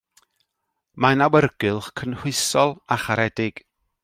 Mae'n awyrgylch cynhwysol a charedig.